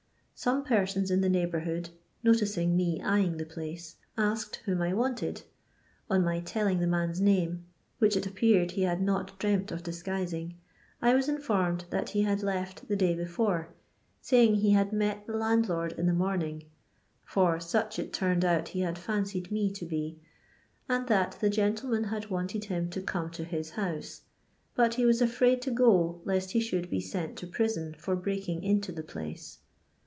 Some persons in the neighbourhood, noticing me eyeing the place, asked whom I wanted. On my telling the man's name, which it appeared he had not dreamt of disguising, I was informed that he had left the day before, saying he had met the landlord in the morning (for such it turned out he had fiancied me to be), and that the gentleman had wanted him to come to his house, but he was afraid to go lest he should be sent to prison for breaking into the place.